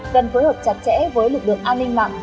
cần phối hợp chặt chẽ với lực lượng an ninh mạng